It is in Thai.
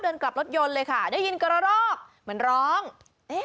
เดินกลับรถยนต์เลยค่ะได้ยินกระรอกเหมือนร้องเอ๊ะ